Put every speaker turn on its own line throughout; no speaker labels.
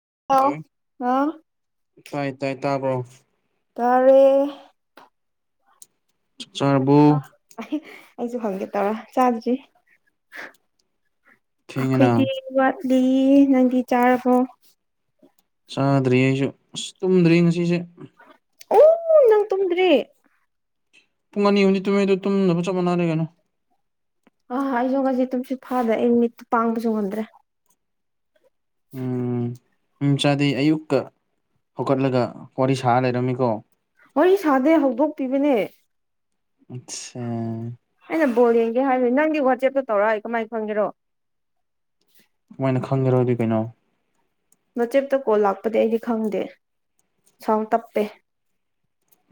Hello
ꯇꯥꯏ ꯇꯥꯏ ꯇꯥꯕ꯭ꯔꯣ
ꯇꯥꯔꯦ
ꯆꯥꯛ ꯆꯥꯔꯕꯣ
ꯑ ꯑꯩꯁꯨ ꯍꯪꯒꯦ ꯇꯧꯔꯥ ꯆꯥꯗ꯭ꯔꯤ
ꯊꯦꯡꯉꯦꯅ
ꯑꯩꯈꯣꯏꯗꯤ ꯋꯥꯠꯂꯤ ꯅꯪꯗꯤ ꯆꯥꯔꯕꯣ
ꯆꯥꯗ꯭ꯔꯤ ꯑꯩꯁꯨ ꯑꯁ ꯇꯨꯝꯗ꯭ꯔꯤ ꯉꯁꯤꯁꯦ
ꯑꯣ ꯅꯪ ꯇꯨꯝꯗ꯭ꯔꯤ
ꯄꯨꯡ ꯑꯅꯤ ꯑꯍꯨꯝꯅꯤ ꯇꯨꯝꯃꯦ ꯑꯗꯨ ꯇꯨꯝꯗꯕꯒ ꯆꯞ ꯃꯥꯟꯅꯔꯦ ꯀꯩꯅꯣ
ꯑꯥ ꯑꯩꯁꯨ ꯉꯁꯤ ꯇꯨꯝꯁꯤ ꯐꯥꯗ꯭ꯔꯦ ꯑꯩ ꯃꯤꯠꯁꯨ ꯄꯥꯡꯕꯁꯨ ꯉꯝꯗ꯭ꯔꯦ
ꯎꯝ ꯎꯝ ꯆꯥꯗꯩ ꯑꯌꯨꯛꯀꯥ ꯍꯧꯀꯠꯂꯒ ꯋꯥꯔꯤ ꯁꯥꯔ ꯂꯩꯔꯝꯃꯤꯀꯣ
ꯋꯥꯔꯤ ꯁꯥꯗꯦ ꯍꯧꯗꯣꯛꯄꯤꯕꯅꯦ
ꯑꯆꯥ
ꯍꯕꯣꯔ ꯌꯦꯡꯒꯦ ꯍꯥꯏꯕꯅꯦ ꯅꯪꯗꯤ ꯋꯥꯆꯦꯞꯇ ꯇꯧꯔꯛ ꯑꯩ ꯀꯃꯥꯏꯅ ꯐꯪꯒꯦꯔꯣ
ꯃꯣꯏꯅ ꯈꯪꯗ꯭ꯔꯗꯤ ꯀꯩꯅꯣ
ꯃꯆꯦꯞꯇ ꯀꯣꯜ ꯂꯥꯛꯄꯗꯤ ꯑꯩꯗꯤ ꯈꯪꯗꯦ ꯁꯥꯎꯟ ꯇꯞꯄꯦ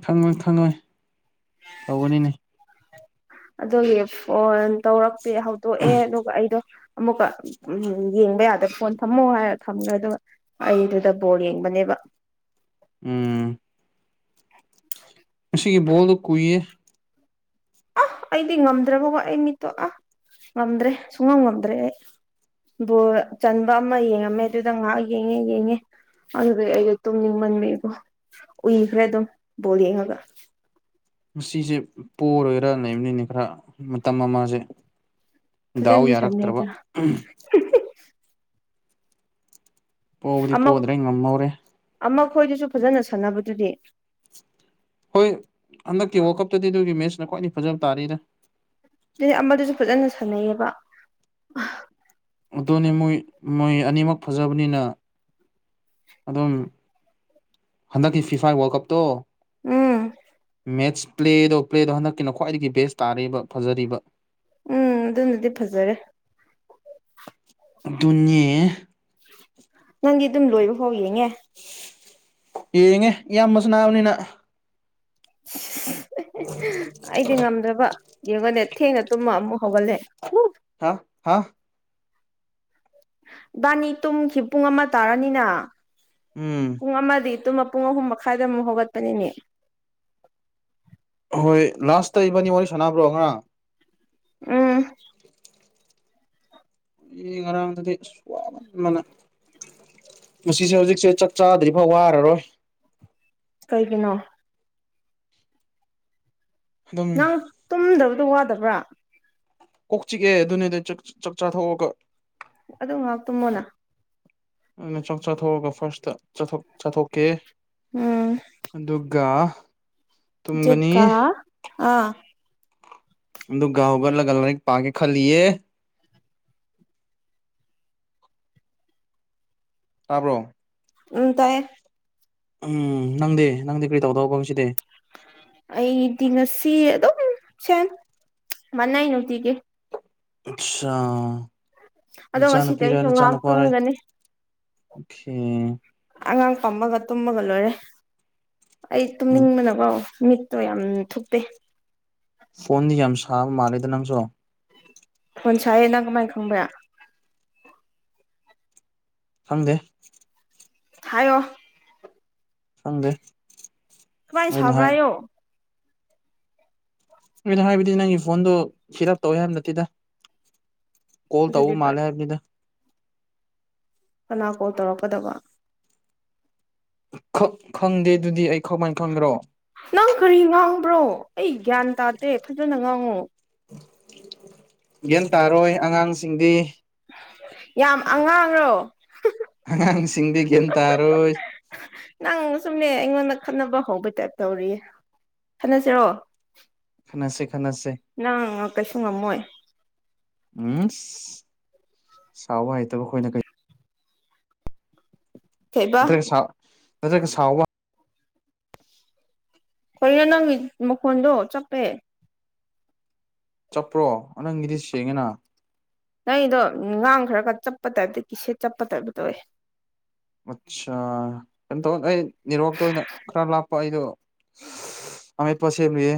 ꯈꯪꯉꯣꯏ ꯈꯪꯉꯣꯏ ꯇꯧꯕꯅꯤꯅꯦ
ꯑꯗꯨꯒꯤ ꯐꯣꯟ ꯇꯧꯔꯛꯇꯦ ꯍꯧꯗꯣꯛꯑꯦ ꯑꯗꯨꯒ ꯑꯩꯗꯣ ꯑꯃꯨꯛꯀ ꯎ ꯌꯦꯡꯕ ꯌꯥꯗꯕ ꯐꯣꯟ ꯊꯝꯃꯣ ꯍꯥꯏꯔ ꯊꯝꯈ꯭ꯔꯦ ꯑꯗꯨꯒ ꯑꯩꯗꯨꯗ ꯕꯣꯜ ꯌꯦꯡꯕꯅꯦꯕ [inaudible]
ꯎꯝ ꯉꯁꯤꯒꯤ ꯕꯣꯜꯗꯣ ꯀꯨꯏꯌꯦ
ꯑ ꯑꯩꯗꯤ ꯉꯝꯗ꯭ꯔꯕꯀꯣ ꯑꯩ ꯃꯤꯠꯇꯣ ꯑꯥ ꯉꯝꯗ꯭ꯔꯦ ꯁꯨꯡꯉꯝ ꯉꯝꯗ꯭ꯔꯦ ꯑꯩ ꯕꯣꯜ ꯆꯟꯕ ꯑꯃ ꯌꯦꯡꯉꯝꯃꯦ ꯑꯗꯨꯗ ꯉꯥꯏꯍꯥꯛ ꯌꯦꯡꯉꯦ ꯌꯦꯡꯉꯦ ꯑꯗꯨꯗꯩ ꯑꯩꯗꯣ ꯇꯨꯝꯅꯤꯡꯃꯟꯃꯦꯀꯣ ꯎꯏꯈ꯭ꯔꯦ ꯑꯗꯨꯝ ꯕꯣꯜ ꯌꯦꯡꯉꯒ
ꯃꯁꯤꯁꯦ ꯄꯔꯣꯏꯔꯥ ꯂꯩꯕꯅꯤꯅꯦ ꯈꯔ ꯃꯇꯝ ꯑꯃꯁꯥꯁꯦ ꯗꯥꯎ
ꯐꯖꯅꯗꯤ
ꯌꯥꯔꯛꯇ꯭ꯔꯕ
ꯁꯥꯟꯅꯩꯗ
ꯄꯣꯕꯗꯤ ꯄꯣꯗ꯭ꯔꯦ ꯉꯝꯍꯧꯔꯦ
ꯑꯩꯈꯣꯏꯗꯨꯁꯨ ꯐꯖꯅ ꯁꯥꯟꯅꯕꯗꯨꯗꯤ
ꯍꯣꯏ ꯍꯟꯗꯛꯀꯤ ꯋꯥꯔꯜ ꯀꯞꯇꯗꯤ ꯑꯗꯨꯒꯤ ꯃꯦꯠꯆꯅ ꯈ꯭ꯋꯥꯏꯅꯤ ꯐꯖꯕ ꯇꯥꯔꯦꯔ
ꯑꯗꯨꯗꯤ ꯑꯃꯗꯨꯁꯨ ꯐꯖꯅ ꯁꯥꯟꯅꯩꯌꯦꯕ
ꯑꯗꯨꯅꯤ ꯃꯣꯏ ꯃꯣꯏ ꯑꯅꯤꯃꯛ ꯐꯖꯕꯅꯤꯅ ꯑꯗꯨꯝ ꯍꯟꯗꯛꯀꯤ ꯐꯤꯐꯥꯏ ꯋꯥꯔꯜ ꯀꯞꯇꯣ
ꯎꯝ
ꯃꯦꯠꯁ ꯄ꯭ꯂꯦꯗꯣ ꯄ꯭ꯂꯦꯗꯣ ꯍꯟꯗꯛꯀꯤꯅ ꯈ꯭ꯋꯥꯏꯗꯒꯤ ꯕꯦꯁ ꯇꯥꯔꯦꯕ
ꯎꯝ ꯑꯗꯨꯅꯗꯤ ꯐꯖꯔꯦ
ꯑꯗꯨꯅꯦ
ꯅꯪꯗꯤ ꯑꯗꯨꯝ ꯂꯣꯏꯕ ꯐꯥꯎ ꯌꯦꯡꯉꯦ
ꯌꯦꯡꯉꯦ ꯏꯌꯥꯝꯕꯁꯨ ꯅꯥꯕꯅꯤꯅ
ꯑꯩꯗꯤ ꯉꯝꯗ꯭ꯔꯕ ꯌꯦꯡꯉꯣꯅꯦ ꯊꯦꯅ ꯇꯨꯝꯃ ꯃꯨꯍꯧꯒꯂꯦ
ꯍꯥ ꯍꯥ
ꯏꯕꯥꯅꯤ ꯇꯨꯝꯈꯤ ꯄꯨꯡ ꯑꯃ ꯇꯥꯔꯅꯤꯅ
ꯎꯝ
ꯄꯨꯡ ꯑꯃꯗꯤ ꯄꯨꯡ ꯑꯍꯨꯝ ꯃꯈꯥꯏꯗ ꯑꯃꯨꯛ ꯍꯧꯒꯠꯄꯅꯤꯅꯦ
ꯍꯣꯏ ꯂꯥꯁꯇ ꯏꯕꯅꯤ ꯋꯥꯔꯤ ꯁꯥꯟꯅꯕ꯭ꯔꯣ ꯉꯔꯥꯡ
ꯎꯝ
ꯑꯩ ꯉꯔꯥꯡꯗꯗꯤ ꯋꯥꯃꯟꯕꯅ ꯄꯨꯟꯁꯤꯁꯦ ꯍꯧꯖꯤꯛꯁꯦ ꯆꯥꯛ ꯆꯥꯗ꯭ꯔꯤ ꯐꯥꯎ ꯋꯥꯔꯔꯣꯏ
ꯀꯅꯣ [unintelligible]
ꯑꯗꯨꯝ
ꯅꯪ ꯇꯨꯝꯗꯕꯗꯣ ꯋꯥꯗꯕ꯭ꯔꯥ
ꯀꯣꯛ ꯆꯤꯛꯑꯦ ꯑꯗꯨꯅꯦꯗ ꯆꯥꯛ ꯆꯥꯊꯣꯛꯑꯒ
ꯑꯗꯨ ꯉꯥꯏꯍꯥꯛꯇꯨꯝꯃꯣꯅ
ꯑꯗꯨꯅ ꯆꯥꯛ ꯆꯥꯊꯣꯛꯑꯒ ꯐꯥꯔꯁꯇ ꯆꯠꯊꯣꯛꯀꯦ
ꯎꯝ
ꯗꯨꯒꯥ
ꯖꯨꯀꯥ ꯑꯥ
ꯗꯨꯒꯥꯎꯒꯔ ꯂꯏꯔꯤꯛ ꯄꯥꯒꯦ ꯈꯜꯂꯤꯌꯦ ꯇꯥꯕ꯭ꯔꯣ
ꯎ ꯇꯥꯏꯌꯦ
ꯎꯝ ꯅꯪꯗꯤ ꯅꯪꯗꯤ ꯀꯔꯤ ꯇꯧꯗꯧꯕ ꯉꯥꯁꯤꯗꯤ
ꯑꯩ ꯇꯅꯁꯤ ꯑꯗꯨ ꯑꯗꯨꯝ ꯆ ꯃꯅꯏ ꯅ ꯎꯇꯦ
ꯑꯆꯥ
ꯑꯗꯣ
ꯅꯆꯥꯥꯅ
ꯉꯁꯤꯗꯤ
ꯄꯤꯔ
ꯑꯩꯁꯨ ꯉꯥꯏꯍꯥꯛ
ꯅꯆꯥꯥꯅ ꯄꯥꯔꯣꯏ
ꯇꯨꯝꯒꯅꯤ
ꯑꯣꯀꯥꯏ
ꯑꯉꯥꯡ ꯐꯝꯃꯒ ꯇꯨꯝꯃꯒ ꯂꯣꯏꯔꯦ ꯑꯩ
ꯎꯝ
ꯇꯨꯝꯅꯤꯡꯕꯅꯀꯣ ꯃꯤꯠ ꯇꯣ ꯌꯥꯝ ꯊꯨꯞꯄꯦ
ꯐꯣꯟꯗꯤ ꯌꯥꯝ ꯁꯥꯕ ꯃꯥꯜꯂꯦꯗ ꯅꯪꯁꯨꯣ
ꯍꯣꯟꯁꯥꯏ ꯅꯅꯥ ꯀꯃꯥꯏ ꯈꯪꯕ꯭ꯔꯥ
ꯈꯪꯗꯦ
ꯍꯥꯏꯣ
ꯍꯪꯗꯦ
ꯀꯃꯥꯏ ꯁꯕ꯭ꯔ ꯍꯥꯏꯌꯣ
ꯑꯗꯨꯗ ꯍꯥꯏꯕꯗꯤ ꯅꯪꯒꯤ ꯐꯣꯟꯗꯣ ꯐꯤꯠ ꯑꯞ ꯇꯧꯋꯦ ꯍꯥꯏꯕ ꯅꯠꯇꯦꯗ ꯀꯣꯜ
ꯑꯗꯨꯗꯤ
ꯇꯧ ꯃꯥꯂꯦ ꯍꯥꯏꯅꯤꯗ
ꯀꯅꯥ ꯀꯣꯜ ꯇꯧꯔꯛꯀꯗꯕ
ꯈꯪꯗꯦ ꯑꯗꯨꯗꯤ ꯑꯩ ꯀꯃꯥꯏꯅ ꯈꯪꯗ꯭ꯔꯣ
ꯅꯪ ꯀꯔꯤ ꯉꯥꯡꯕ꯭ꯔꯣ ꯑꯩ ꯒ꯭ꯌꯥꯟ ꯇꯥꯗꯦ ꯐꯖꯅ ꯉꯥꯡꯉꯨ
ꯌꯦꯟ ꯇꯥꯔꯣꯏ ꯑꯉꯥꯡꯁꯤꯡꯗꯤ
ꯌꯥꯝ ꯑꯉꯥꯡꯔꯣ
ꯑꯉꯥꯡꯁꯤꯡꯗꯤ ꯒ꯭ꯦꯝ ꯇꯥꯔꯣꯏ
ꯆꯨꯝꯅꯦ ꯑꯩꯉꯣꯟꯗ ꯈꯠꯅꯕ ꯍꯧꯕꯩ ꯇꯥꯏꯞ ꯇꯧꯔꯤ ꯈꯟꯅꯁꯤꯔꯣ
ꯈꯟꯅꯁꯦ ꯈꯟꯅꯁꯦ
ꯅ ꯀꯁꯨ ꯉꯝꯃꯣꯏ
ꯎꯝ ꯆꯥꯎꯕ ꯍꯩꯇꯕ ꯑꯩꯈꯣꯏꯅ ꯀꯩ
ꯀꯩꯕ
ꯅꯠꯇ꯭ꯔꯒ ꯁ ꯅꯠꯇ꯭ꯔꯒ ꯁꯥꯎꯕ
ꯀꯅ ꯅꯪꯒꯤ ꯃꯈꯣꯟꯗꯣ ꯆꯠꯄꯦ
ꯆꯠꯄ꯭ꯔꯣ ꯅ ꯅꯪꯒꯤꯗꯤ ꯁꯦꯡꯉꯦꯅ
ꯅꯗꯣ ꯉꯥꯡ ꯈ꯭ꯔ ꯈ ꯆꯠꯄ ꯇꯥꯏꯞꯇ ꯀꯤꯁꯦꯠ ꯆꯠꯄ ꯇꯥꯏꯞꯕ ꯇꯧꯏꯦ
ꯑꯠꯆꯥ ꯀꯃꯇꯑꯣꯟ ꯑꯩ ꯅꯤꯔꯣꯛꯇ ꯑꯣꯏꯅ ꯈꯔ ꯂꯥꯞꯄ ꯑꯩꯗꯣ ꯑꯃꯦ ꯄꯁꯂꯌꯦ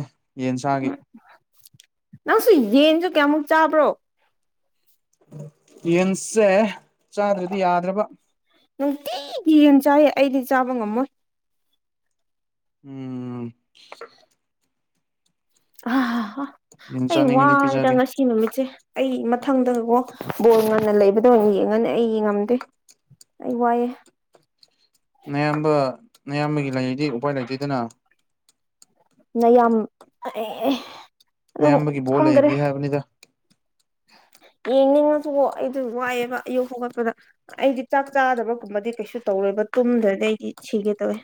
ꯅꯪꯁꯨ ꯌꯦꯟꯁꯨ ꯀꯌꯥꯃꯨꯛ ꯆꯥꯕ꯭ꯔꯣ
ꯌꯦꯟꯁꯁꯦ ꯆꯥꯗ꯭ꯔꯗꯤ ꯌꯥꯗ꯭ꯔꯕ
ꯅꯨꯡꯇꯤꯗꯤ ꯌꯨꯝ ꯆꯥꯏꯌꯦ ꯑꯩꯗꯤ ꯆꯥꯕ ꯉꯝꯃꯣꯏ
ꯎꯝ
ꯑ
ꯌꯦꯟ
ꯑꯩ
ꯆꯥꯅꯤꯡꯉꯗꯤ
ꯋꯥꯏꯗ
ꯄꯤꯖꯒꯦ
ꯉꯁꯤ ꯅꯨꯃꯤꯠꯁꯦ ꯑꯩ ꯃꯊꯪꯗꯀꯣ ꯕꯣꯔ ꯉꯥꯟꯅ ꯂꯩꯕꯗ ꯑꯣꯏꯅ ꯌꯦꯡꯉꯅꯤ ꯑꯩ ꯌꯦꯡꯉꯝꯗꯦ ꯑꯩ ꯋꯥꯏꯑꯦ
ꯃꯌꯥꯝꯕ ꯃꯌꯥꯝꯕꯒꯤ ꯂꯩꯗꯤ ꯎꯄꯥꯏ ꯂꯩꯇꯦꯗꯅ
ꯅ ꯌꯥꯝ ꯍꯩꯍꯦ
ꯅꯌꯥꯝꯕꯒꯤ ꯕꯣ ꯂꯩꯔꯤ ꯍꯥꯏꯕꯅꯤꯗ
[inaudible] [inaudible] ꯌꯦꯡꯅꯤꯡꯉꯁꯨ ꯑꯩꯗ ꯋꯥꯏꯑꯦꯕ ꯑꯌꯨ ꯍꯧꯒꯠꯄꯗ ꯑꯩꯗꯤ ꯆꯥꯛ ꯆꯥꯗꯕꯒꯨꯝꯕꯗꯤ ꯀꯩꯁꯨ ꯇꯎꯔꯨꯏ ꯇꯨꯝꯗ꯭ꯔꯗꯤ ꯑꯩꯗꯤ ꯁꯤꯒꯦ ꯇꯧꯋꯦ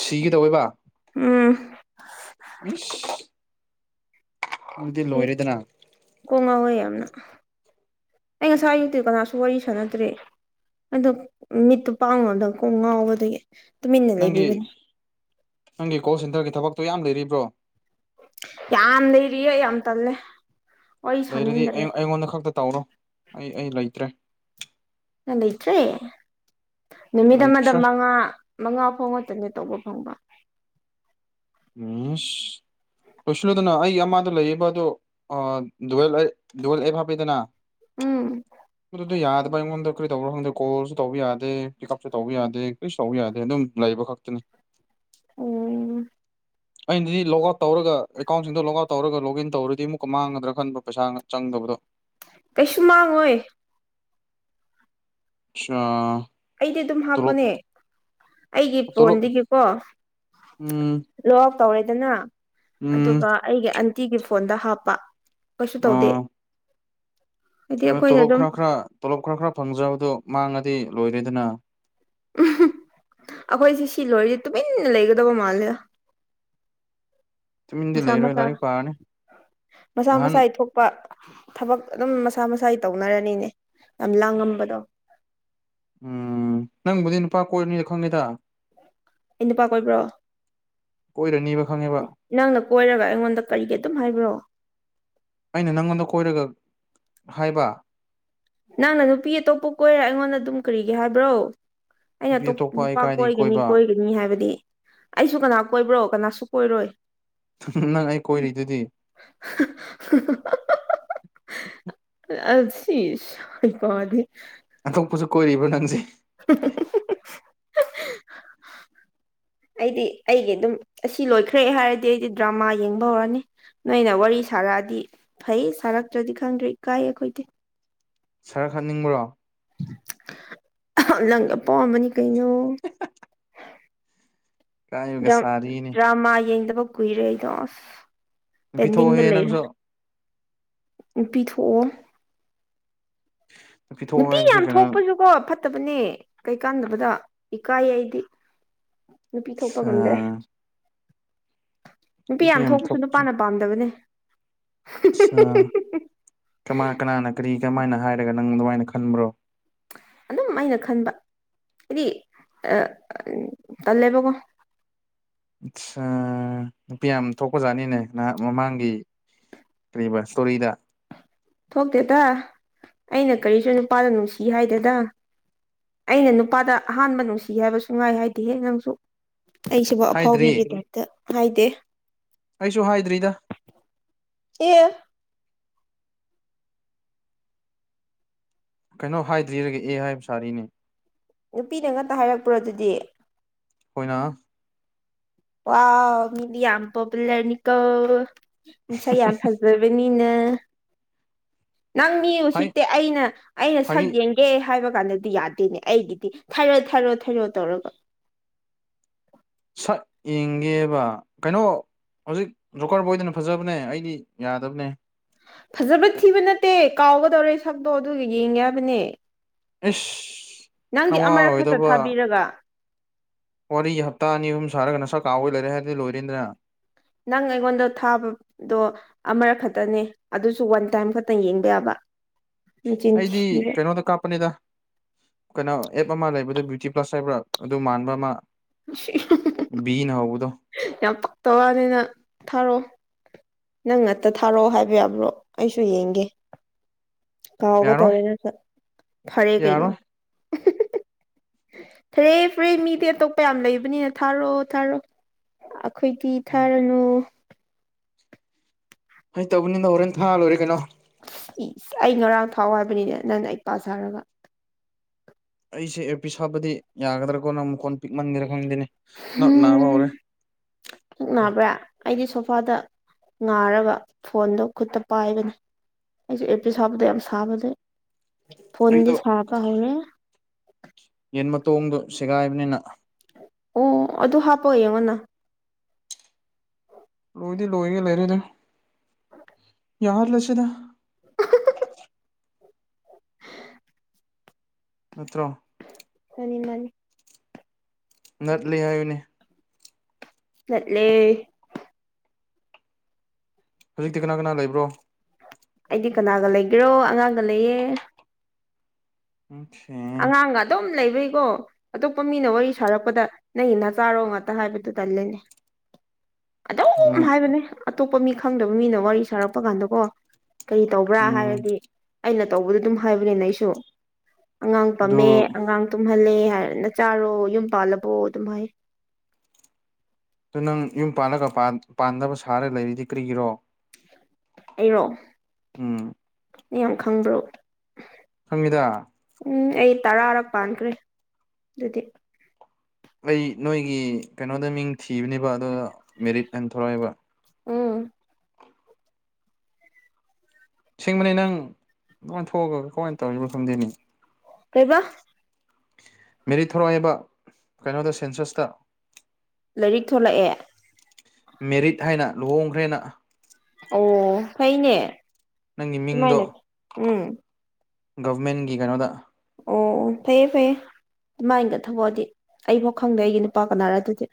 ꯁꯤꯒ ꯇꯧꯋꯦꯕ
ꯎꯝ
ꯎꯝ [unintelligible]
ꯑꯩ ꯀꯣꯡꯉꯥꯎꯋꯦ ꯌꯥꯝꯅ ꯑꯩ ꯉꯁꯥꯏ ꯑꯥꯌꯨꯛꯇꯒꯤ ꯀꯅꯥꯁꯨ ꯋꯥꯔꯤ ꯁꯥꯟꯅꯗ꯭ꯔꯦ ꯑꯗꯣ ꯃꯤꯠꯇꯨ ꯄꯥꯡꯉꯗꯀꯣ ꯉꯥꯎꯕꯗꯒꯤ ꯇꯨꯃꯤꯟꯅ
ꯅꯪꯒꯤ
ꯂꯩꯕꯤꯕꯅꯤ
ꯅꯪꯒꯤ ꯀꯣꯜ ꯁꯦꯟꯇꯔꯒꯤ ꯊꯕꯛꯇꯣ ꯌꯥꯝ ꯂꯩꯔꯤꯕ꯭ꯔꯣ
ꯌꯥꯝ ꯂꯩꯔꯌꯦ ꯌꯥꯝ ꯇꯜꯂꯦ ꯋꯥꯔꯤ
ꯂꯩꯔꯗꯤ ꯑꯩ
ꯁꯥꯅꯤꯡꯗ꯭ꯔꯦ
ꯑꯩꯉꯣꯟꯗ ꯈꯛꯇ ꯇꯧꯔꯣ ꯑꯩ ꯑꯩ ꯂꯩꯇ꯭ꯔꯦ
ꯅꯪ ꯂꯩꯠꯔꯦ ꯅꯨꯃꯤꯠ
ꯂꯩꯇ꯭ꯔꯦ
ꯑꯃꯗ
ꯏꯁ
ꯃꯉꯥ ꯃꯉꯥ ꯐꯥꯎ ꯉꯛꯇꯅꯦ ꯇꯧꯕ ꯐꯪꯕ
ꯎ [unintelligible] ꯂꯨꯁꯤꯜꯂꯨꯗꯅ ꯑꯩꯒꯤ ꯑꯃꯗ ꯂꯩꯔꯤꯕ ꯑꯗꯨꯋ ꯑꯦ ꯍꯥꯥꯞꯕꯤꯗꯅ
ꯎꯝ
ꯃꯣ ꯌꯥꯗ ꯑꯩꯉꯣꯟꯗ ꯀꯔꯤ ꯇꯧꯕꯣ ꯈꯪꯗꯦ ꯀꯣꯜꯁꯨ ꯇꯧꯕ ꯌꯥꯗꯦ ꯄꯤꯛ ꯎꯞꯁꯨ ꯇꯧꯕ ꯌꯥꯗꯦ ꯀꯔꯤꯁꯨ ꯇꯧꯕ ꯌꯥꯗꯦ ꯑꯗꯨꯝ ꯂꯩꯕ ꯈꯛꯇꯅꯤ꯫
ꯑꯣꯝ
ꯑꯩꯅꯗꯤ ꯂꯣꯛ ꯑꯥꯎꯠ ꯇꯧꯔꯒ ꯑꯦꯀꯥꯎꯟꯁꯤꯡꯗꯣ ꯂꯣꯛ ꯑꯥꯎꯠ ꯇꯧꯔꯒ ꯂꯣꯛꯒꯏꯟ ꯇꯧꯔꯗꯤ ꯑꯃꯨꯛꯀ ꯃꯥꯡꯒꯗ꯭ꯔꯥ ꯈꯟꯕ꯭ꯔ ꯄꯩꯁꯥ ꯆꯪꯗꯕꯗꯣ
ꯀꯩꯁꯨ ꯃꯪꯂꯣꯏ
ꯑꯆꯥꯥ
ꯑꯩꯗꯤ ꯑꯗꯨꯝ ꯍꯥꯞꯄꯅꯦ ꯑꯩꯒꯤ
ꯇꯣꯂꯣꯞ
ꯐꯣꯟꯗꯒꯤꯀꯣ
ꯎꯝ
ꯂꯣꯛꯐ ꯇꯧꯔꯦꯗꯅ
ꯎꯝ
ꯑꯗꯨꯒ ꯑꯩꯒꯤ ꯑꯟꯇꯤꯒꯤ ꯐꯣꯟꯗ ꯍꯥꯞꯄ ꯀꯩꯁꯨ ꯇꯧꯗꯦ
ꯑꯥ
ꯍꯥꯏꯗꯤ ꯑꯩꯈꯣꯏꯅ
ꯇꯣꯂꯣꯞ
ꯑꯗꯨꯝ
ꯈꯔ ꯈꯔ ꯇꯣꯂꯣꯞ ꯈꯔ ꯈꯔ ꯐꯪꯖꯕꯗꯨꯣ ꯃꯥꯡꯉꯗꯤ ꯂꯣꯏꯔꯦꯗꯅ
ꯎ ꯑꯩꯈꯣꯏꯁꯦ ꯁꯤ ꯂꯣꯏꯔꯤꯁꯦ ꯇꯨꯃꯤꯟꯅ ꯂꯩꯒꯗꯕ ꯃꯥꯜꯂꯦꯗ [inaudible] [inaudible]
ꯇꯨꯃꯤꯟꯗꯤ
ꯃꯁꯥ
ꯂꯩꯔꯣꯏ
ꯃꯁꯥ
ꯂꯥꯏꯔꯤꯛ ꯄꯥꯔꯅꯤ
ꯃꯁꯥ
ꯅꯍꯥꯟ
ꯃꯁꯥ ꯏ ꯊꯣꯛꯣꯛꯄ ꯊꯕꯛ ꯑꯗꯨꯝ ꯃꯁꯥ ꯃꯁꯥꯒꯤ ꯇꯧꯅꯔꯅꯤꯅꯦ ꯌꯥꯝ ꯂꯥꯡꯉꯝꯕꯗꯣ
ꯎꯝ ꯅꯪꯕꯨꯗꯤ ꯅꯨꯄꯥ ꯀꯣꯏꯔꯅꯤꯗꯣ ꯈꯪꯉꯤꯗ
ꯑꯩ ꯅꯨꯄꯥ ꯀꯣꯏꯕ꯭ꯔꯣ
ꯀꯣꯏꯔꯅꯤꯕ ꯈꯪꯉꯦꯕ
ꯅꯪꯅ ꯀꯣꯏꯔꯒ ꯑꯩꯉꯣꯟꯗ ꯀꯔꯤꯒꯤ ꯑꯗꯨꯝ ꯍꯥꯏꯕ꯭ꯔꯣ
ꯑꯩꯅ ꯅꯪꯉꯣꯟꯗ ꯀꯣꯏꯔꯒ ꯍꯥꯏꯕ
ꯅꯪꯅ ꯅꯨꯄꯤ ꯑꯇꯣꯞꯄ ꯀꯣꯏꯔꯦ ꯑꯩꯉꯣꯟꯗ ꯑꯗꯨꯝ ꯀꯔꯤꯒꯤ ꯍꯥꯏꯕ꯭ꯔꯣ ꯑꯩꯅ
ꯅꯨꯄꯤ
ꯑꯥꯇꯣꯞꯄ
ꯑꯇꯣꯞꯄ ꯑꯩ
ꯅꯨꯄꯥ
ꯀꯥꯏꯗꯒꯤ
ꯀꯣꯏꯒꯅꯤ
ꯀꯣꯏꯕ
ꯀꯣꯏꯒꯅꯤ ꯍꯥꯏꯕꯗꯤ ꯑꯩꯁꯨ ꯀꯅꯥ ꯀꯣꯏꯕ꯭ꯔꯣ ꯀꯅꯥꯁꯨ ꯀꯣꯏꯔꯣꯏ [inaudible]
ꯅꯪ ꯑꯩ ꯀꯣꯏꯔꯤꯗꯨꯗꯤ
ꯑꯗꯨꯁꯤ ꯌꯩꯄꯗꯤ
ꯑꯗꯨ ꯅꯪꯁꯦ
[unintelligible] ꯑꯩꯗꯤ ꯑꯩꯒꯤ ꯑꯗꯨꯝ ꯑꯁꯤ ꯂꯣꯏꯈ꯭ꯔꯦ ꯍꯥꯏꯔꯗꯤ ꯑꯩꯗꯤ ꯗ꯭ꯔꯃꯥ ꯌꯦꯡꯕ ꯍꯧꯔꯅꯤ ꯅꯣꯏꯅ ꯋꯥꯔꯤ ꯁꯥꯔꯛꯑꯗꯤ ꯐꯩ ꯁꯥꯔꯛꯇ꯭ꯔꯗꯤ ꯈꯪꯗ꯭ꯔꯦ ꯀꯥꯏ ꯑꯩꯈꯣꯏꯗꯤ
ꯁꯔꯛꯍꯟꯅꯤꯡꯕ꯭ꯔꯣ
ꯅꯪꯒ ꯑꯄꯥꯝꯕꯅꯤ ꯀꯩꯅꯣ
ꯀꯥꯏꯕꯒ ꯁꯥꯔꯤꯅꯦ
ꯗ꯭ꯔꯃꯥ ꯌꯦꯡꯗꯕ ꯀꯨꯏꯔꯦ ꯑꯩꯗꯣ ꯑꯁ
ꯅꯨꯄꯤ
ꯇꯦꯟꯗꯤꯡꯗ
ꯊꯣꯛꯑꯣꯍꯦ
ꯂꯩꯔꯦ
ꯅꯪꯁꯨ
ꯅꯨꯄꯤ ꯊꯣꯛꯑꯣ
ꯊꯣꯛꯑꯣ
ꯅꯨꯄꯤ
ꯍꯥꯏꯕꯁꯦ
ꯌꯥꯝ
ꯀꯩꯅꯣ
ꯊꯣꯛꯄꯁꯨ ꯀꯣ ꯐꯠꯇꯕꯅꯦ ꯀꯩꯀꯥꯟꯗꯕꯗ ꯏꯀꯥꯏ ꯑꯩꯗꯤ ꯅꯨꯄꯤ ꯊꯣꯛꯄ ꯉꯝꯗ꯭ꯔꯦ ꯅꯨꯄꯤ ꯌꯥꯝ ꯊꯣꯛꯄꯁꯨ ꯅꯨꯄꯥꯅ ꯄꯥꯝꯗꯕꯅꯦ
ꯑ ꯀꯃ ꯀꯅꯥꯅ ꯀꯔꯤ ꯀꯃꯥꯏꯅ ꯍꯥꯏꯔꯒ ꯅꯪ ꯑꯗꯨꯃꯥꯏꯅ ꯈꯟꯕ꯭ꯔꯣ
ꯑꯗꯨꯝ ꯑꯩꯅ ꯈꯟꯕ ꯑꯦꯗꯤ ꯑ ꯇꯂꯦꯕ ꯀꯣ
ꯑꯆꯥ ꯅꯨꯄꯤ ꯌꯥꯝ ꯊꯣꯛꯄꯖꯥꯠꯅꯤꯅꯦ ꯅꯍꯥꯛ ꯃꯃꯥꯡꯒꯤ ꯀ꯭ꯔꯤꯕ ꯁꯇꯣꯔꯤꯗ
ꯊꯣꯛꯇꯦꯗ ꯑꯩꯅ ꯀꯔꯤꯁꯨ ꯅꯨꯄꯥꯗ ꯅꯨꯡꯁꯤ ꯍꯥꯏꯗꯦꯗ ꯑꯩꯅ ꯅꯨꯄꯥꯗ ꯑꯍꯥꯟꯕ ꯅꯨꯡꯁꯤ ꯍꯥꯏꯕ ꯁꯨꯍꯥꯢ ꯍꯥꯏꯗꯤꯍꯦ ꯅꯪꯁꯨ ꯑꯩꯁꯨꯕꯨ
ꯍꯥꯏꯗ꯭ꯔꯤ
ꯑꯐꯥꯎꯕꯤꯒꯤ ꯇꯥꯢꯞꯇ ꯍꯥꯢꯗꯦ
ꯑꯩꯁꯨ ꯍꯥꯏꯗ꯭ꯔꯤꯗ
ꯑꯦ
ꯀꯩꯅꯣ ꯍꯥꯏꯗ꯭ꯔꯤꯔꯒ ꯑꯦ ꯍꯥꯏꯕ ꯁꯥꯔꯤꯅꯦ
ꯅꯨꯄꯤꯅ ꯉꯥꯛꯇ ꯍꯥꯏꯔꯛꯄ꯭ꯔꯣ ꯑꯗꯨꯗꯤ
ꯍꯣꯏꯅ
ꯋꯥ ꯃꯤꯗꯤ ꯌꯥꯝ ꯄꯣꯄꯨꯂꯔꯅꯤꯀꯣ ꯉꯁꯥ ꯌꯥꯝ ꯐꯖꯕꯅꯤ ꯑꯩꯅ ꯅꯪ ꯃꯤ ꯎꯁꯤꯠꯇꯦ ꯑꯩꯅ ꯑꯩꯅ ꯁꯛ
ꯐꯥꯒꯤ
ꯌꯦꯡꯒꯦ ꯍꯥꯏꯕ ꯀꯥꯟꯗꯗꯤ ꯌꯥꯗꯦꯅꯦ ꯑꯩꯒꯤꯗꯤ ꯊꯥꯏꯔꯣ ꯊꯥꯏꯔꯣ ꯊꯥꯏꯔꯣ ꯇꯧꯔꯒ
ꯁꯛ ꯌꯦꯡꯒꯦꯕ ꯀꯩꯅꯣ ꯍꯧꯖꯤꯛ ꯂꯣꯀꯔ ꯕꯣꯏꯗꯅ ꯐꯖꯕꯅꯦ ꯑꯩꯗꯤ ꯌꯥꯗꯕꯅꯦ
ꯐꯖꯕ ꯊꯤꯕ ꯅꯠꯇꯦ ꯀꯥꯎꯒꯗꯧꯔꯦ ꯁꯛꯇꯣ ꯑꯗꯨꯒ ꯌꯦꯡꯒꯦ ꯍꯥꯏꯕꯅꯦ
ꯑꯦꯁ
ꯅꯪꯗꯤ ꯑꯃꯔꯛ ꯈꯛꯇ ꯊꯥꯕꯤꯔꯒ
ꯀꯥꯎ ꯂꯔꯦ ꯍꯥꯏꯔꯗꯤ ꯂꯣꯔꯤꯗ꯭ꯔꯅꯥ
ꯅꯪ ꯑꯩꯉꯣꯟꯗ ꯊꯥꯕꯗꯣ ꯑꯃꯔꯛ ꯈꯛꯇꯅꯦ ꯑꯗꯨꯁꯨ ꯋꯥꯟ ꯇꯥꯏꯝ ꯈꯛꯇꯪ ꯌꯦꯡꯕ ꯌꯥꯕ ꯃꯆꯤꯟ
ꯑꯩꯗꯤ
ꯊꯤꯕ
ꯀꯩꯅꯣꯗ ꯀꯥꯞꯄꯅꯤꯗ ꯀꯩꯅꯣ ꯑꯦꯞ ꯑꯃ ꯂꯩꯕꯗ ꯕ꯭ꯌꯨꯇꯤ ꯄ꯭ꯂꯁ ꯍꯥꯏꯕ꯭ꯔꯥ ꯑꯗꯨ ꯃꯥꯟꯕ ꯑꯃ ꯕꯤꯅ ꯍꯧꯕꯗꯣ
ꯌꯥꯝ ꯉꯛꯇ ꯋꯥꯅꯤꯅ ꯊꯥꯔꯛꯑꯣ ꯅꯪ ꯉꯥꯛꯇ ꯊꯥꯔꯛꯑꯣ ꯍꯥꯏꯕ ꯌꯥꯕ꯭ꯔꯣ ꯑꯩꯁꯨ ꯌꯦꯡꯒꯦ
ꯌꯥꯔꯣꯏ
ꯀꯥꯎꯒꯗꯧꯔꯦꯅ ꯐꯔꯦ ꯀꯩꯅꯣ
ꯌꯥꯔꯣꯏ
ꯐꯔꯦ ꯐꯔꯦ ꯃꯤꯗꯤ ꯑꯇꯣꯞꯄ ꯌꯥꯝ ꯂꯩꯕꯅꯤꯅ ꯊꯥꯔꯛꯑꯣ ꯊꯥꯔꯣ ꯈꯣꯏꯗꯤ ꯊꯥꯔꯅꯨ
ꯍꯩ ꯇꯧꯕꯅꯤꯗ ꯍꯣꯔꯦꯟ ꯊꯥ ꯂꯣꯏꯔꯦ ꯀꯩꯅꯣ
ꯑꯩ ꯉꯔꯥꯡ ꯐꯥꯎ ꯍꯥꯏꯕꯅꯤꯅꯦ ꯅꯪꯅ ꯑꯩ ꯄꯥ ꯁꯥꯔꯒ
ꯑꯩꯁꯦ ꯑꯦꯔ ꯄ ꯁꯥꯕꯗꯤ ꯌꯥꯒꯗ꯭ꯔꯥꯀꯣ ꯅꯪ ꯃꯈꯣꯟ ꯄꯤꯛꯃꯟꯒꯔ
ꯎꯝ ꯄꯨꯛꯅꯥꯕ꯭ꯔꯥ ꯑꯩꯗꯤ ꯁ ꯏꯄꯥꯗ ꯉꯥꯔꯒ ꯐꯣꯟꯗꯣ ꯈꯨꯠꯇ ꯄꯥꯏꯕꯅꯤ ꯑꯩꯁꯨ ꯑꯦꯄꯤ ꯁꯥꯕꯗ ꯌꯥꯝ ꯁꯥꯕꯁꯩ ꯐꯣꯟꯗꯤ
ꯑꯩꯗꯣ
ꯁꯥꯔ ꯄ ꯍꯧꯔꯦ
ꯌꯦꯟ ꯃꯇꯣꯡꯗꯣ ꯁꯦꯒꯥꯏꯕꯅꯤꯅ
ꯑꯣ ꯑꯗꯨ ꯍꯥꯞꯄꯑꯣ ꯌꯦꯡꯉꯣꯅ
ꯂꯣꯏꯗꯤ ꯂꯣꯏꯒꯦ ꯂꯩꯔꯦꯗ ꯌꯥꯍꯟꯂꯥꯁꯤꯗ
[unintelligible]
ꯅꯠꯇ꯭ꯔꯣ
ꯃꯅꯤ ꯃꯥꯅꯤ
ꯉꯜꯂꯤ ꯍꯥꯏꯕꯅꯤ
ꯆꯠꯂꯦ
ꯍꯧꯖꯤꯛꯇꯤ ꯀꯅꯥ ꯀꯅꯥ ꯂꯩꯕ꯭ꯔꯣ
ꯑꯩꯗꯤ ꯀꯅꯥꯒ ꯂꯩꯒꯦꯔꯣ ꯑꯉꯥꯡꯒ ꯂꯩꯌꯦ
ꯁꯦ
ꯑꯉꯥꯡꯒ ꯑꯗꯨꯝ ꯂꯩꯕꯩꯀꯣ ꯑꯇꯣꯞꯄ ꯃꯤꯅ ꯋꯥꯔꯤ ꯁꯥꯔꯛꯄꯗ ꯅꯪꯒꯤ ꯅ ꯆꯥꯔꯣ ꯉꯥꯛꯇ ꯍꯥꯏꯕꯗꯨ ꯇꯜꯂꯤꯅꯦ
ꯑꯗꯨ
ꯑꯗꯨꯝ ꯍꯥꯏꯕꯅꯦ ꯑꯇꯣꯞꯄ ꯃꯤ ꯈꯪꯗꯕ ꯃꯤꯅ ꯋꯥꯔꯤ ꯁꯥꯔꯛꯄ ꯀꯥꯟꯗꯀꯣ ꯀꯔꯤ ꯇꯧꯕ꯭ꯔꯥ
ꯎꯝ
ꯍꯥꯏꯔꯗꯤ ꯑꯩꯅ ꯇꯧꯕꯗ ꯑꯗꯨꯝ ꯍꯥꯏꯕꯅꯦꯅ ꯑꯩꯁꯨ ꯑꯉꯥꯡ
ꯑꯗꯨ
ꯄꯝꯃꯦ ꯑꯉꯥꯡ ꯇꯨꯝꯍꯜꯂꯦ [unintelligible] ꯅꯆꯥꯔꯣ ꯌꯨꯝ ꯄꯥꯜꯂꯕꯣ ꯑꯗꯨꯝ ꯍꯥꯏ
ꯑꯗꯨ ꯅꯪ ꯌꯨꯝ ꯄꯥꯜꯂꯒ ꯄꯥꯟꯗꯕ ꯁꯥꯔ ꯂꯩꯔꯤꯗꯤ ꯀꯔꯤꯒꯤꯔꯣ
ꯑꯩꯔꯣ
ꯎꯝ
ꯅꯪꯌꯥꯝ ꯈꯪꯕ꯭ꯔꯣ
ꯁꯃꯤꯗꯥ
ꯎꯝ ꯑꯩ ꯇꯔꯥꯔꯛ ꯄꯥꯟꯈ꯭ꯔꯦ ꯑꯗꯨꯗꯤ
ꯑꯩ ꯅꯣꯏꯒꯤ ꯀꯩꯅꯣꯗ ꯃꯤꯡ ꯊꯤꯕꯅꯦꯕ ꯑꯗꯨ ꯃꯦꯔꯤꯠ ꯍꯥꯏꯅ ꯊꯣꯔꯛꯑꯏꯕ
ꯎꯝ
ꯁꯤꯡꯕꯅꯦ ꯅꯪ ꯑꯗꯨꯉꯥꯏꯅ ꯊꯣꯛꯑꯒ ꯀꯃꯥꯏꯅ ꯇꯧꯔꯤꯕ ꯃꯐꯝꯗꯨꯅꯤ
ꯀꯩꯕ
ꯃꯦꯔꯤ ꯊꯣꯔꯏꯕ ꯀꯩꯅꯣꯗ ꯁꯦꯟꯁꯁꯇ
ꯂꯥꯏꯔꯤꯛ ꯊꯣꯂꯛꯑꯦ
ꯃꯦꯔꯤꯠ ꯍꯥꯏꯅ ꯂꯨꯍꯣꯡꯈ꯭ꯔꯦꯅ
ꯑꯣ ꯐꯩꯅꯦ
ꯅꯪꯒꯤ
ꯑꯗꯨꯨꯃꯥꯏꯅ ꯎꯝ
ꯒꯣ ꯚꯦꯔꯃꯦꯟꯠꯀꯤ ꯀꯩꯅꯣꯗ
ꯑꯣ ꯐꯩꯌꯦ ꯐꯦ ꯑꯗꯨꯃꯥꯏꯅꯒ ꯊꯕꯛꯑꯗꯤ ꯑꯩꯐꯥꯎ ꯈꯪꯗꯦ ꯑꯩꯒꯤ ꯅꯨꯄꯥ ꯀꯅꯥꯔ ꯑꯗꯨꯗꯤ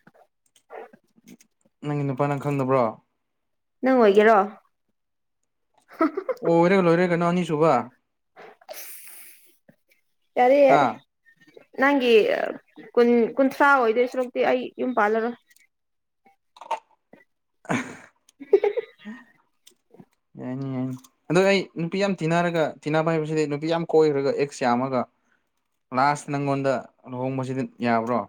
ꯅꯪꯒꯤ ꯅꯨꯄꯥꯅꯪ ꯈꯪꯕ꯭ꯔꯣ
ꯅꯪ ꯑꯣꯏꯒꯦꯔꯣ
ꯑꯣ ꯑꯣꯏꯔꯦꯒ ꯂꯣꯏꯔꯦ ꯀꯩꯅꯣ ꯑꯅꯤꯁꯨꯕ
ꯌꯥꯔꯦ ꯌꯥꯔꯦ
ꯍꯥ
ꯅꯪꯒꯤ ꯀꯨꯟ ꯀꯨꯟꯊ꯭ꯔꯥ ꯑꯣꯏꯗꯣꯏ ꯁꯣꯔꯣꯛꯇꯤ ꯑꯩ ꯌꯨꯝ ꯄꯥꯜꯂꯔꯣꯏ
[unintelligible]
[inaudible] [inaudible]
ꯌꯥꯏꯅꯦ ꯌꯥꯏꯅꯦ ꯑꯗꯣ ꯑꯩ ꯅꯨꯄꯤ ꯌꯥꯝ ꯇꯤꯟꯅꯔꯒ ꯇꯤꯟꯅꯕ ꯍꯥꯏꯕꯁꯤꯗꯤ ꯅꯨꯄꯤ ꯌꯥꯝ ꯀꯣꯏꯈ꯭ꯔꯒ ꯑꯦꯛꯁ ꯌꯥꯝꯃꯒ ꯂꯥꯁ ꯅꯪꯉꯣꯟꯗ ꯂꯨꯍꯣꯡꯕꯁꯤꯗꯤ ꯌꯥꯕ꯭ꯔꯣ